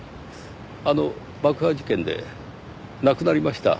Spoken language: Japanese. あの爆破事件で亡くなりました。